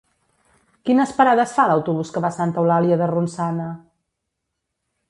Quines parades fa l'autobús que va a Santa Eulàlia de Ronçana?